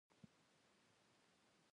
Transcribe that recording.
د برازیل پېښې وښوده چې هسته جوړولای شي.